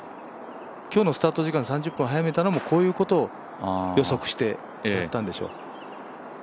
今日のスタート時間、３０分早めたのもこういうことを予測してだったんでしょう。